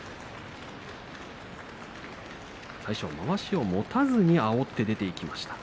最初はまわしを持たずにあおって出ていきました。